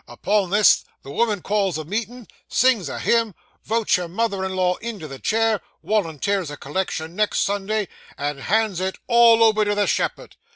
Upon this, the women calls a meetin', sings a hymn, wotes your mother in law into the chair, wolunteers a collection next Sunday, and hands it all over to the shepherd.